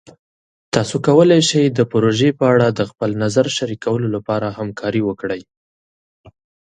تاسو کولی شئ د پروژې په اړه د خپل نظر شریکولو لپاره همکاري وکړئ.